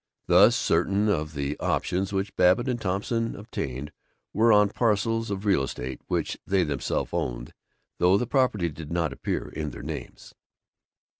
Thus certain of the options which Babbitt and Thompson obtained were on parcels of real estate which they themselves owned, though the property did not appear in their names.